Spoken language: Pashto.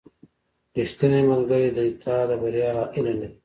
• ریښتینی ملګری د تا د بریا هیله لري.